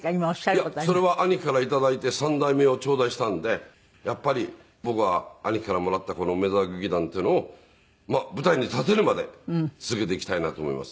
いやそれは兄貴から頂いて３代目を頂戴したんでやっぱり僕は兄貴からもらったこの梅沢劇団っていうのを舞台に立てるまで続けていきたいなと思います。